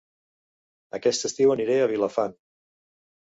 Aquest estiu aniré a Vilafant